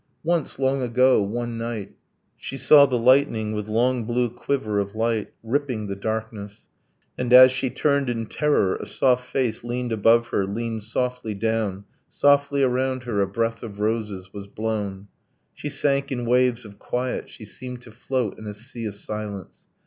Once, long ago, one night, She saw the lightning, with long blue quiver of light, Ripping the darkness ... and as she turned in terror A soft face leaned above her, leaned softly down, Softly around her a breath of roses was blown, She sank in waves of quiet, she seemed to float In a sea of silence